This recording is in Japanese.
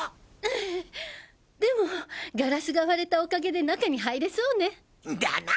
ええでもガラスが割れたおかげで中に入れそうね。だな。